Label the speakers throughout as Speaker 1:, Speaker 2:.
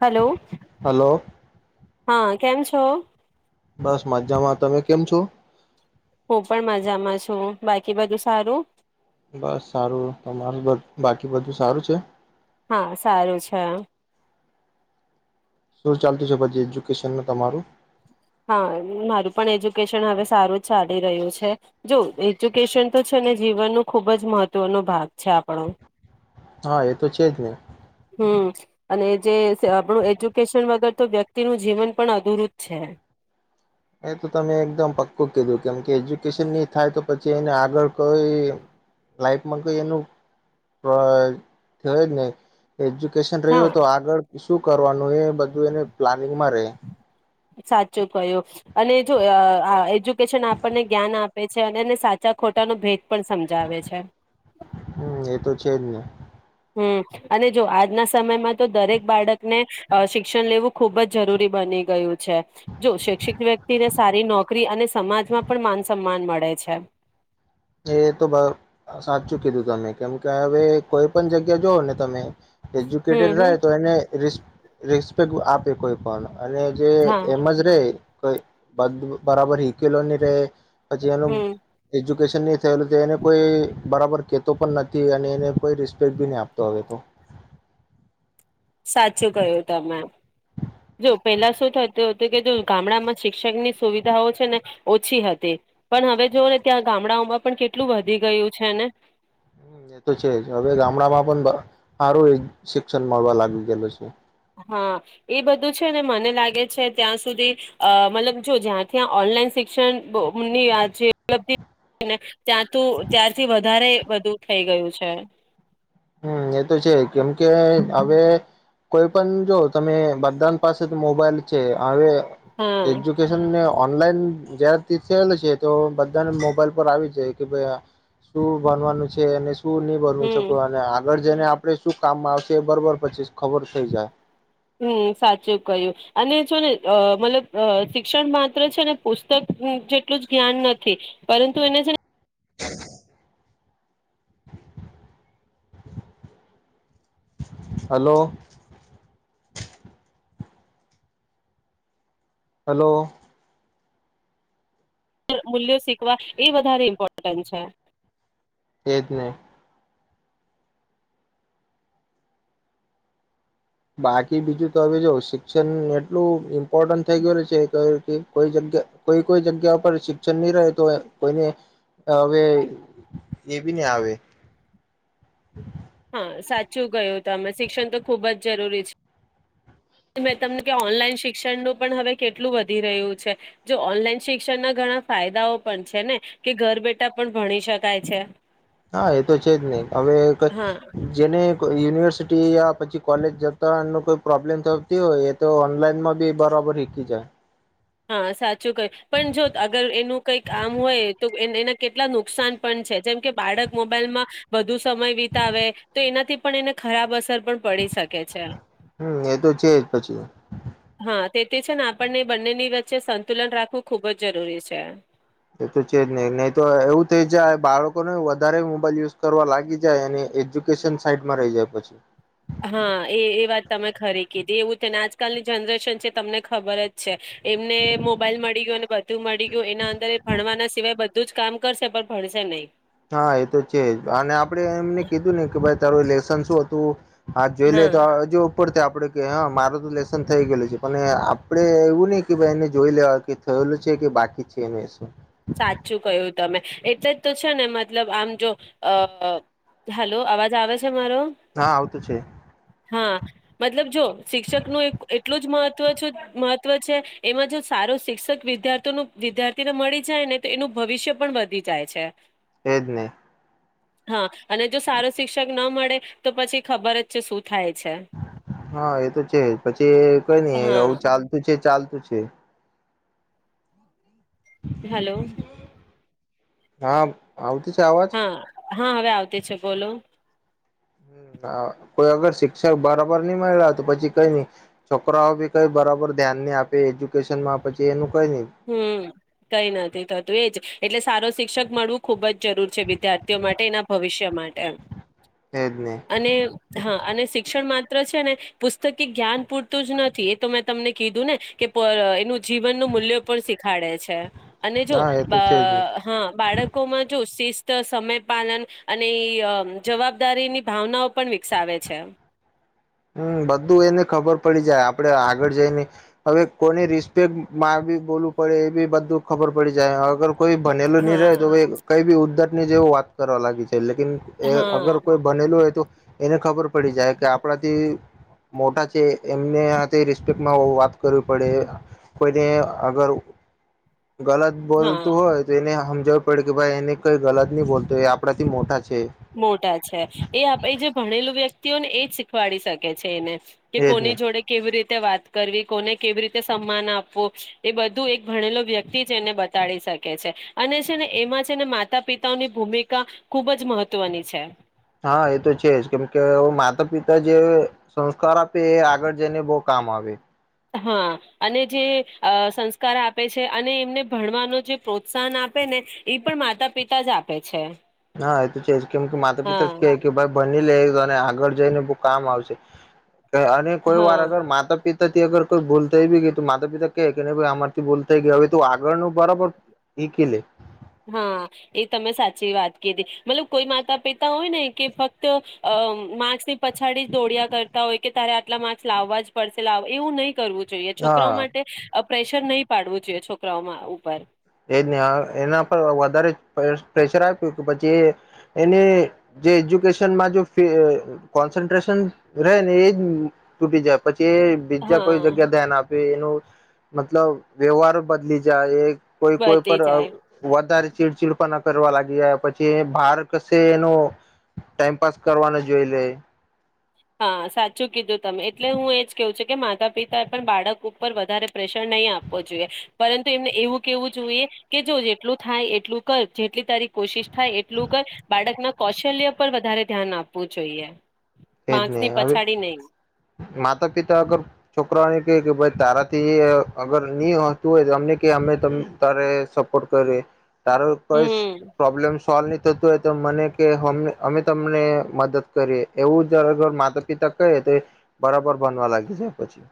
Speaker 1: Hello
Speaker 2: hello
Speaker 1: હા, કેમ છો?
Speaker 2: બસ મજામાં, તમે કેમ છો?
Speaker 1: હું પણ મજામાં છું, બાકી બધું સારું?
Speaker 2: બસ સારું, તમારું બ બાકી બધું સારું છે?
Speaker 1: હા, સારું છે.
Speaker 2: શું ચાલતું છે પછી, એજ્યુકેશનનું તમારું?
Speaker 1: હા મારું પણ એજ્યુકેશન હવે સારું ચાલી રહ્યું છે. જો એજ્યુકેશન તો છે ને જીવનનો ખુબ જ મહત્વનો ભાગ છે આપણો
Speaker 2: હા એ તો છે જ ને.
Speaker 1: હમ્મ અને જે આપણું એજ્યુકેશન વગર તો વ્યક્તિનું જીવન પણ અ અધુરુ જ છે.
Speaker 2: કેમકે એજ્યુકેશન ની થાય તો પછી એને આગળ કોઈ લાઈફમાં કોઈ એનું અ થાય જ નઈ. એજ્યુકેશન
Speaker 1: હા
Speaker 2: રહ્યું તો આગળ શું કરવાનું એ બધું એને પ્લાનિંગમાં રહે.
Speaker 1: સાચું કહ્યુ અને જો અ આ એજ્યુકેશન આપણને જ્ઞાન આપે છે અને એને સાચા ખોટાનો ભેદ પણ સમજાવે છે
Speaker 2: હમ્મ, એ તો છે જ ને.
Speaker 1: હમ્મ અને જો આજના સમયમાં તો દરેક બાળકને અ શિક્ષણ લેવું ખુબ જ જરૂરી બની ગયું છે. જો શિક્ષિત વ્યક્તિને સારી નોકરી અને સમાજમાં પણ માન સન્માન મળે છે.
Speaker 2: એ તો સાચું કીધું તમે કેમ કે હવે કોઈ પણ જગ્યા જુઓ ને તમે એજ્યુકેટેડ
Speaker 1: હમ
Speaker 2: રહે
Speaker 1: હમ
Speaker 2: તો એને રિસ્ રિસ્પેક્ટ આપી કોઈ પણ. અને જે
Speaker 1: હા
Speaker 2: એમજ રે કઈ બંધ બરાબર હિકીલો ની રહે પછી એનું
Speaker 1: હમ
Speaker 2: એજ જ્યુકેશન થ એને કોઈ બરાબર કેતો પણ નથી અને એને કોઈ રિસ્પેક્ટ ભી નહી આપતો હવે તો.
Speaker 1: સાચું કહ્યું તમે, જો પેલા શું થતું હતું કે જો ગામડામાં શિક્ષક ની સુવિધાઓ છે ને ઓછી હતી, પણ હવે તો એ ત્યા ને ગામડાઓમાં પણ કેટલું વધી ગયું છે ને?
Speaker 2: એ તો છે, જ હવે ગામડામાં બ સારુંય શિક્ષણ મળવા લાગી ગયેલું છે.
Speaker 1: હા ઈ બધું છે ને મને લાગે છે ત્યાં સુધી અહ મતલબ જો જ્યાં ત્યાં ઓનલાઈન શિક્ષણની આ જે ઉપલબ્ધિ [unintelligible] ને ત્યાં તો ત્યાારથી વધારે વધુ થઈ ગયું છે.
Speaker 2: હમ્મ એ તો છે કેમ કે હવે કોઈ પણ જો તમે બધાન પાસે તો મોબાઈલ છે આવે
Speaker 1: હા
Speaker 2: એજ્યુકેશન ને ઓનલાઈન જ્યારથી થયેલો છે તો બધાને મોબાઈલ પર આવી જાય કે ભાઈ આ શું ભનવાનું છે અને સ શું નહીં બની
Speaker 1: હમ
Speaker 2: શકવાન. આગળ જઈને આપડે શું કામમાં આવશે બરોબર પછીસ
Speaker 1: હમ્મ સાચું કહ્યું અને જો ને અહ મતલબ અહ શિક્ષણ માત્ર છે ને પુસ્તક જેટલું જ જ્ઞાન નથી, પરંતુ એને છે ને
Speaker 2: હલો. હલો.
Speaker 1: મૂલ્યો શીખવા એ વધારે ઇમ્પોર્ટન્ટ છે.
Speaker 2: એ જ ને. બાકી બીજું તો હવે જો શિક્ષન એટલું પોટન થઈ ગયેલું કે કે કોઈ જગ્યા કોઈ કોઈ જગ્યા ઉપર શિક્ષણ નહી રહે તો કોઈને હવે એ બી ને આવે.
Speaker 1: હા સાચું કહ્યું તમે શિક્ષણ તો ખુબ જ જરૂરી છે. મેં તમને ત્યાં ઓનલાઈન શિક્ષણનું પણ હવે કેટલું વધી રહ્યું છે. જો ઓનલાઈન શિક્ષણના ઘણા ફાયદાઓ પણ છે ને કે ઘર બેઠા પણ ભણી શકાય છે.
Speaker 2: હા એ તો છે જ નઈ. હવે ક
Speaker 1: હા
Speaker 2: જેને યુનિવર્સિટી યા પછી કોલેજ જતા કોઈ પ્રોબ્લેમ થતી હોય એ તો ઓનલાઈનમાં બી બરાબર હિકી જાય.
Speaker 1: હા, સાચું કહ્યું. પણ, જો અગર એનું કઈ કામ હોય તો એન એના કેટલા નુકસાન પણ છે. જેમ કે, બાળક મોબાઈલમાં વધુ સમય વિતાવે તો એનાથી પણ એને ખરાબ અસર પણ પડી શકે છે.
Speaker 2: હમ્મ, એ તો છે પછી
Speaker 1: હા, તે તે છે ને આપણને બંનેની વચ્ચે સંતુલન રાખવું ખુબ જ જરૂરી છે.
Speaker 2: એ તો છે જ ને નહી તો એવું થઇ જાય બાળકોને વધારે મોબાઈલ યુઝ કરવા લાગી જાય અને એજ્યુકેશન સાઈડમાં રહી જાય પછી.
Speaker 1: હા, એ એ વાત તમે ખરી કીધી એવું તે ને આજકાલની જનરેશન છે, તમને ખબર જ છે. એમને મોબાઈલ મળી ગયો અને બધું મળી ગ્યું એના અંદર એ ભણવાના સિવાય બધું જ કામ કરશે પણ ભણશે નહી.
Speaker 2: હા, એ તો છે જ અને આપડે એમને કીધું ને કે ભાઈ તારું લેસન શું હતું હા, જોઈ લે તો હજુ ઉપરથી આપ આપડે કે હા, મારો તો લેશન થઈ ગેલું છે. પન એ આપડે એવું નય કે ભાઈ એને જોઈ લેવા કે થયેલું છે કે બાકી છે લેસન.
Speaker 1: સાચું કહ્યુ તમે. એટલે જ તો છે ને મતલબ આમ જો અ અ હાલો, અવાજ આવે છે મારો?
Speaker 2: હા આવતું છે
Speaker 1: હા, મતલબ જોવો શિક્ષકનું એક એટલું જ મહત્ ત્વ છ મહત્વ છે. એમાં જો સારો શિક્ષક વિદ્યાર્થીઓનો વિદ્યાર્થીને મળી જાય ને, તો એનું ભવિષ્ય પણ વધી જાય છે.
Speaker 2: એજ ને.
Speaker 1: હા, અને જો સારો શિક્ષક ન મળે તો પછી ખબર જ છે શું થાય છે.
Speaker 2: હા, એ તો છે. પછી એ કઈ નઈ આવું
Speaker 1: હા
Speaker 2: ચાલતું છે ચાલ તુ છે.
Speaker 1: હેલો.
Speaker 2: હા, આવત્ છે, આવાજ?
Speaker 1: હા, હવે આવતી છે. બોલો.
Speaker 2: હમ્મ, હા કોઈ અગર શિક્ષક બરાબર નય મયળા તો પછી કઈ નઈ છોકરાઓ બી કઈ બરાબર ધ્યાન નહી આપે એજ્યુકેશનમાં પછી એનું કઈ નઈ
Speaker 1: હમ્મ, કઈ નથી થતું એજ એટલે સારો શિક્ષક મળવું ખૂબ જ જરૂર છે. વિદ્યાર્થીઓ માટે એના ભવિષ્ય માટે.
Speaker 2: એજ નહી
Speaker 1: અને હા અને શિક્ષણ મા ત્ર છે ને પુસ્તકી જ્ઞાન પૂરતું જ નથી, એ તો મેં તમને કીધું ને કે પ એનું જીવન પણ શીખાડે છે, અને જોવો
Speaker 2: હા એ
Speaker 1: બ
Speaker 2: તો છે જ નહી
Speaker 1: હા બાળકોમાં જો શિસ્ ત, સમય પાલન અને ઈ અ જવાબદારીની ભાવનાઓ પણ વિકસાવે છે.
Speaker 2: હમ્મ, બધું એને ખબર પડી જાય આપડે આગળ જઈને હવે કોની રિસ્પેક્ટમાં બી બોલવું પડે એ બી બધું ખબર પડી જાય અ ગર કોઈ ભનેલું નહી
Speaker 1: હા
Speaker 2: રહે તોએ કઈ બી ઉદ્ધ ને જેવું વાત કરવા લાગી લેકીન એ
Speaker 1: હા
Speaker 2: અગર કોઈ બનેલું હોય તો એને ખબર પડી જાય કે, આ પળાથી મોટા છે, એમને આથી રિસ્પેક્ટમાં વાત કરવી પડે કોઈને અગર ગલત
Speaker 1: હા
Speaker 2: બોલતું હોય તો એને હમ ખબર પડે કે ભાઈ એને કઈ ગલત નય બોલતો, એ આપણા થી મોટા છે
Speaker 1: મોટા છે એ એ જે ભણેલું વ્યક્ ક્તિ હોય ને એ જ શીખવાડી શકે છે એને. કે
Speaker 2: એજ ને
Speaker 1: કોની જોડે કેવી રીત વાત કરવી, કોને કેવી રીતે સન્માન આપવું, એ બધું એક ભણેલો વ્યક્તિ જેને બતાડી શકે છે અને છે ને એમાં છે ને માતા પિતાઓની ભૂમિકા ખુબ જ મહત્ મહત્વની છે.
Speaker 2: હા એ તો છે જ કેમ કે માતા પિતા જે સંસ્કાર આપે એ આગળ જઈને બહ કામ આવે.
Speaker 1: હા અને જે અ સંસ્કાર આપે છે અને એમને ભણવાનો જે પ્રોત્સાહન આપે ને એ પણ માતા પિતા જ આપે છે.
Speaker 2: હા એ તો છે કેમ કે માતા પિતા જ
Speaker 1: હા
Speaker 2: કે કે ભાઈ ભની લે ગ આગળ જઈને બવ કામ આવશે. અને કોઈ વાર
Speaker 1: હા
Speaker 2: અગર માતા પિ થી અગર કોઈ ભૂલ થઈ બી ગઈ તો માતા પિતા કે કે નાઈ અમારથી ભલ થઈ ગઈ હવે તું આગળ ન બરાબર હીકી લે.
Speaker 1: હા એ તમે સાચી વાત કીધી મતલબ કોઈ માતા પિતા હોય ને કે ફક્ત અ માર્ક્સની પછાડી જ દોડિયા કરતા હોય કે તારે આટલા માર્ક્સ લાવવા જ પડશે લાવવા એવું નહી કરવું જોઈએ. છોકરાઓ
Speaker 2: હા
Speaker 1: માટે પ્રેશર નહીં પાડવું. જોઈએ છોકરાઓમાં ઉપર.
Speaker 2: એજ ને એના પર વધારે પ્રેશર આપ્યું કે પછી એની જે એજ્યુકેશનમાં જો કોન્સન્ટ્રેશન રહે ને એજ તૂટી જાય પછી કે બીજા કોઈ
Speaker 1: હા
Speaker 2: જગ્યા દે ના આપ એનું મતલબ વ્યવહાર બદલી જાય એ કોઈ કોઈ
Speaker 1: વધી
Speaker 2: પર
Speaker 1: જાય
Speaker 2: વધારે ચીડચીડ. કરવા લાગી પછી બહાર કશે એનો ટાઈમપાસ કરવાનું જોઈ લે.
Speaker 1: હા સાચું કીધું તમે એટલે હું એજ કેવું છું કે માતા-પિતા એ પણ બાળક ઉપર વધારે પ્રેશર નહીં આપવો જોઈએ પરંતુ એમને એવું કેવું જોઈએ કે જેટલું થાય એટલું કર જેટલી તારી કોશિશ થાય એટલું કર બાળકના કૌશલ્ય પર વધારે ધ્યાન આપવું જોઈએ.
Speaker 2: એ જ
Speaker 1: માર્ક્સ ની
Speaker 2: નહી હવે
Speaker 1: પછાડી નહી
Speaker 2: માતા-પિતા અગર. છોકરાઓને કે કે ભાઈ તારાથી અગર નહી હોતું હોય તો અમને કે અમે તારે સપોર્ટ કરીએ. ત કઈ
Speaker 1: હમ
Speaker 2: પ્રોબ્લેમ. સોલ્વ નહીં થતું હોય તો મને કે હમે અમે તમને મદદ કરીએ. એવું જરા ઘર માતા-પિતા કહે તો બરાબર બનવા લાગી જાય પછી.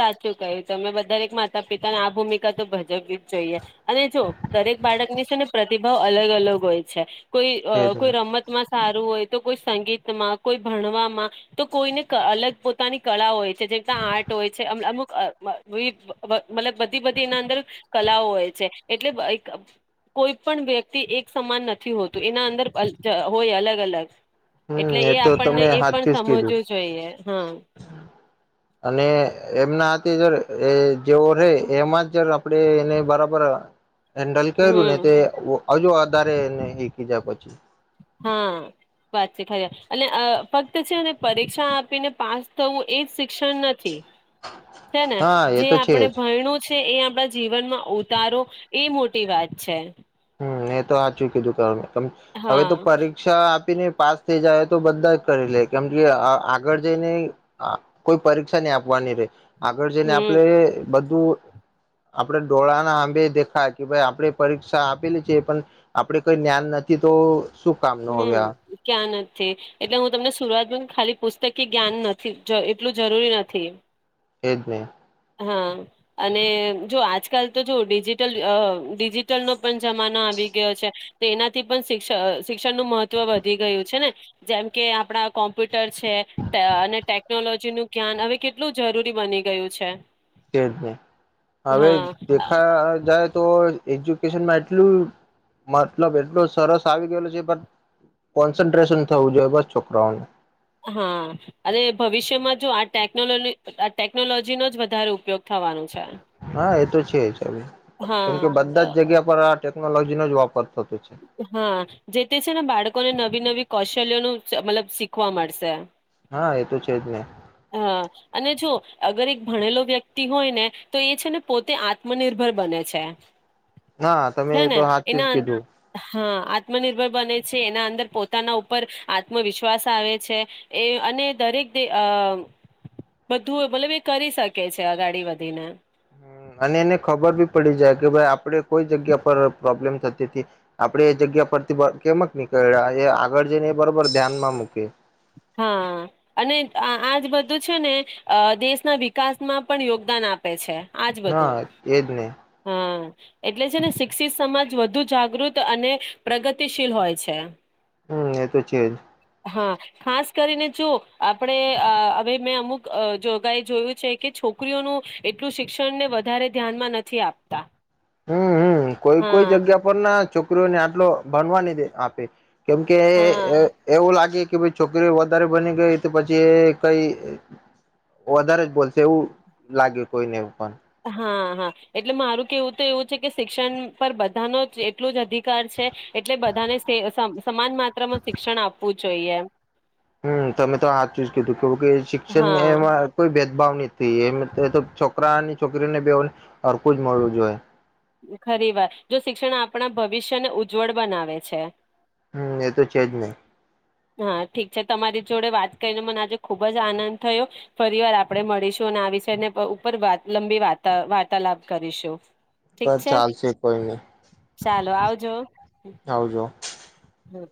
Speaker 1: સાચું કયું તમે બધા એક માતા પિતા ને આ ભૂમિકા તો ભજવી જોઈએ અને જો દરેક બાળક ને છે ને. પ્રતિભાવ અલગ-અલગ હોય છે. કોઈ અ કોઈ
Speaker 2: હમ
Speaker 1: રમતમાં. સારું હોય તો કોઈ સંગીતમાં, કોઈ ભણવામાં, તો કોઈને અલગ પોતાની કળા હોય. છે જેવી આર અમુક અ અ વિવિ મતલબ બધી બધી એના અંદર કલાઓ હોય છે, એટલે કોઈ પણ વ્યક્તિ એક સમાન નથી હોતું એના અંદર અ હોય અલગ-અલગ. એટલે એ
Speaker 2: તો
Speaker 1: આપણને
Speaker 2: તમે
Speaker 1: એ પણ
Speaker 2: હાથથી જ
Speaker 1: સમજવું
Speaker 2: કીધું
Speaker 1: જોઈએ હા.
Speaker 2: અને એમના હાથે જ એ જેવો રે એમાં જ આપણેે એને બરાબર હેન્ડલ કર્યું ને
Speaker 1: હમ
Speaker 2: તે હજુ વધારે એને એકી જાય પછી
Speaker 1: હા વાત છે ખરી. એટલે અ ફક્ત છે ને પરીક્ષા આપીને પાસ થવું એજ શિક્ષણ નથી. તેમજ
Speaker 2: હા એ
Speaker 1: જે
Speaker 2: તો છે
Speaker 1: આપણે
Speaker 2: જ
Speaker 1: ભયનું છે. એ આપણા જીવનમાં ઉતારો એ મોટી વાત છે.
Speaker 2: હમ્મ એ તો આ હાચુ કીધું તમે. હવે
Speaker 1: હા
Speaker 2: તો પરીક્ષા પાસ થઈ જાય તો બધા જ કરી લે કેમ કે આગળ જઈને કોઈ પરીક્ષા નહી આપવાની રે. આગળ જઈને
Speaker 1: હમ
Speaker 2: આપણે બધું આપડે ડોળા ના આંબે દેખાય કે ભાઈ આપડે પરીક્ષ આપેલી છે પણ આપડે કોઈ જ્ઞાન નથી તો શું કામ ન હવે
Speaker 1: હમ્મ,
Speaker 2: આ
Speaker 1: ક્યા નથી. એટલે હું તમને શરઆતમાં ખાલી પુસ્તક જ્ઞાન નથી એટલું જરૂરી નથી.
Speaker 2: એજ ને.
Speaker 1: હા અને જો આજકાલ તો જો ડિજિટલ અ ડિજિટલનો પણ જમાનો આવી ગયો છે. તો એનાથી પણ શિક્ષ શિક્ષણનું મહત્ત્વ વધી ગયું છે ને જેમ કે આપણા કોમ્પ્યુટ ટર છે અને ટેક ટેકનોલોજી નું જ્ઞાન હવે કેટલું જરૂરી બની ગયું છે.
Speaker 2: [unintelligible] છે. હવે
Speaker 1: હા.
Speaker 2: દેખા જાય તો એજ્યુકેશનમાં એટલું મતલબ એટલો સરસ આવી ગયેલુ છે, પન કોન્સન્ટ્રેશન થવું જોઈએ, બસ છોકરાઓને.
Speaker 1: હા, અને ભવિષ્યમાં જો આ ટેકનોલો આ ટેકનોલોજીનો જ વધારે ઉપયોગ થવાનો છે.
Speaker 2: હા, એ તો છે જ. કેમ કે બધા
Speaker 1: હા
Speaker 2: જ જગ્યા પર આ ટેકનોલોજીનો જ વાપર થતો છે
Speaker 1: હા, જે તે છે ને બાળકોને ન નવી નવી કૌશલ્ય ન મતલબ શીખવા મળશે.
Speaker 2: હા, એ તો છે જ ને.
Speaker 1: હા અને જો અગર એક ભણેલો વ્યક્તિ હોય ને, તો એ છે ને પોતે આત્મનિર્ભર બને છે.
Speaker 2: ના તમે
Speaker 1: છે
Speaker 2: એ
Speaker 1: ને
Speaker 2: તો હાચચુ જ
Speaker 1: એના અં
Speaker 2: કીધું.
Speaker 1: હા, આત્મનિર્ભર બને છે, એના અંદર પોતાના ઉપર આત્મવિશ્વાસ આવે છે. એ અને દરેક તે અ બધું મતલબ એ કરી શકે છે અગાડી વધીને.
Speaker 2: હમ, અને એને ખબર ભી પડી જાય કે ભાઈ આપણે કોઈ જગ્યા પર પ્રોબ્લેમ થતી તી. આપડે એ જગ્યા પરથી કેમક નીકળ્યા એ આગળ જઈને એ બરોબર ધ્યાનમાં મૂકે.
Speaker 1: હા, અને આજ બધું છે ને અ દેશના વિકાસમાં પણ યોગદાન આપે છે. આજ બધું
Speaker 2: હા એજ ને.
Speaker 1: હા એટલે છે ને શિક્ષિત સમાજ વધુ જાગૃત અને પ્રગતિશીલ હોય છે.
Speaker 2: હમ, એ તો છે જ.
Speaker 1: હા. ખાસ કરીને જુઓ, આપણે હવે મેં અમુક જોગાએ જોયું છે, કે છોકરીઓનું એટલું શિક્ષણને વધારે ધ્યાનમાં નથી આપતા.
Speaker 2: હમ્મ કોઈ કોઈ
Speaker 1: હા
Speaker 2: જગ્યા પર ના. છોકરીઓને આટલો ભણવા ની દે આપે. કેમ કે
Speaker 1: હા
Speaker 2: એવું લાગે કે ભ છોકરીઓ વધારે બની ગઈ તો પછી કઈ વધારે જ બોલશે એવું લાગે કોઈને પણ
Speaker 1: હા હા એટલે મારું કેવું તો એવું છે કે શિક્ષણ પર બધાનો જ એટલું જ અધિકાર છે એટલે બધાને સમાન માત્રામાં શિક્ષણ આપવું જોઈએ એમ
Speaker 2: હમ તમે તો આ ચ કીધું કે કે શિક્ષણ
Speaker 1: હા
Speaker 2: એમાં કોઈ ભાવની એમ તો છોકરાની છોકરીને બેને હરખું જ મળવું જોઈએ
Speaker 1: ખરી વાર જો શિક્ષણ આપણા ભવિષ્યને ઉજ્જવળ બનાવે છે
Speaker 2: હમ એ તો છેજ નહી
Speaker 1: હા ઠીક છે તમારી જોડે વાત કરીને મને આજે ખુબ જ આનંદ થયો ફરી વાર આપણે મળીશું અને આ વિષયને ઉપરત લંબી વાર્તાલાપ કરીશું
Speaker 2: ક
Speaker 1: ઠીક છે
Speaker 2: ચાલશે કોઈ નઈ
Speaker 1: ચાલો આવજો.
Speaker 2: આવજો
Speaker 1: હમ.